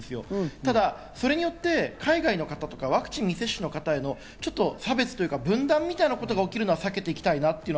ただそれによって海外の方とか、ワクチン未接種の方への差別というか分断みたいなことが起きるのを避けていきたいなというか。